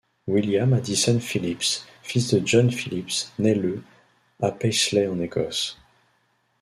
William Addison Phillips, fils de John Phillips, naît le à Paisley en Écosse.